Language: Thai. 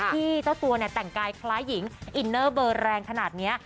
เจ้าตัวเนี่ยแต่งกายคล้ายหญิงอินเนอร์เบอร์แรงขนาดนี้